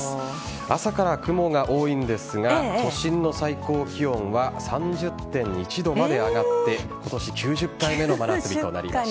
朝から雲が多いんですが都心の最高気温は３０．１度まで上がって今年９０回目の真夏日となりました。